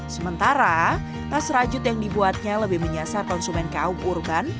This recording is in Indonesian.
sementara tas rajut yang dibuatnya lebih menyasar konsumen kaum urban